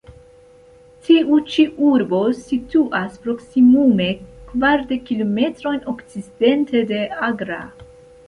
Tiu ĉi urbo situas proksimume kvardek kilometrojn okcidente de Agra.